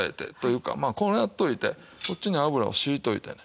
まあこうやっておいてこっちに油を引いておいてね。